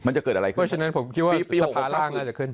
ราคาอาจจะเกิดอะไรขึ้น